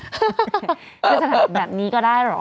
จะถัดแบบนี้ก็ได้หรอ